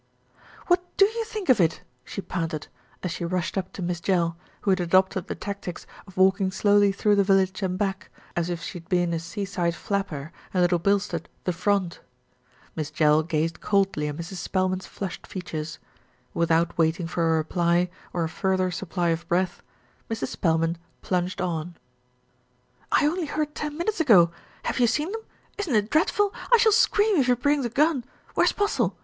"What do you think of it?" she panted, as she rushed up to Miss Jell, who had adopted the tactics of walking slowly through the village and back, as if she had been a seaside flapper, and Little Bilstead "the front." Miss Jell gazed coldly at Mrs. Spelman's flushed features. Without waiting for a reply, or a further supply of breath, Mrs. Spelman plunged on. 296 THE RETURN OF ALFRED "I only heard ten minutes ago! Have you seen them? Isn't it dreadful? I shall scream if he brings a gun! Where's Postle?